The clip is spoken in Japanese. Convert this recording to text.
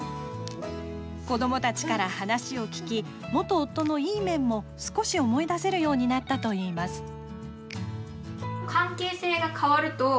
子どもたちから話を聞き元夫のいい面も少し思い出せるようになったといいます。